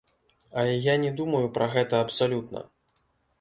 Але я не думаю пра гэта абсалютна.